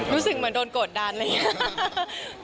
รู้สึกเหมือนโดนกดดันอะไรอย่างนี้